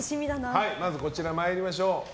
まず、こちら参りましょう。